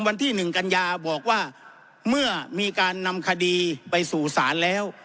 วันที่๑กันยาบอกว่าเมื่อมีการนำคดีไปสู่ศาลแล้ว